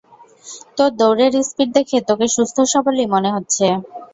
তোর দৌড়ের স্পিড দেখে, তোকে সুস্থসবলই মনে হচ্ছে।